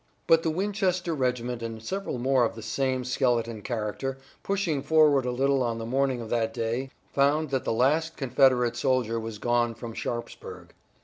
But the Winchester regiment and several more of the same skeleton character, pushing forward a little on the morning of that day, found that the last Confederate soldier was gone from Sharpsburg.